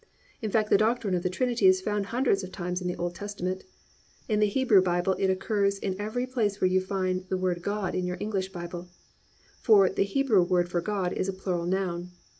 In fact the doctrine of the Trinity is found hundreds of times in the Old Testament. In the Hebrew Bible it occurs in every place where you find the word God in your English Bible, for the Hebrew word for God is a plural noun.